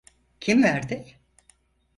Kim verdi?